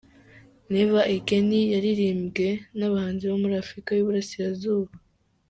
Neva egeni yaririmbwe n’Abahanzi bo muri Afurika y’Uburasirazuba.